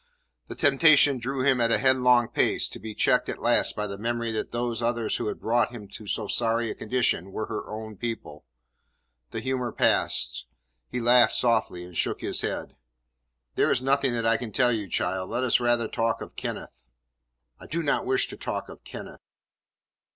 The temptation drew him at a headlong pace, to be checked at last by the memory that those others who had brought him to so sorry a condition were her own people. The humour passed. He laughed softly, and shook his head. "There is nothing that I can tell you, child. Let us rather talk of Kenneth." "I do not wish to talk of Kenneth."